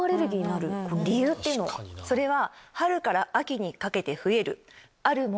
それは。